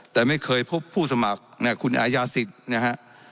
แต่ไม่เคยพบผู้สมัครคุณอายาศิษย์นะฮะ